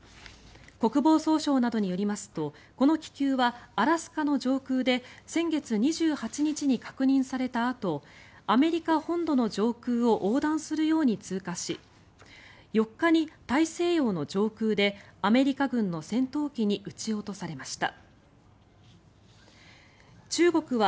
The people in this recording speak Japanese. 国防総省などによりますとこの気球はアラスカの上空で先月２８日に確認されたあとアメリカ本土の上空を横断するように通過し４日に大西洋の上空でアメリカ軍の戦闘機に撃ち落とされました。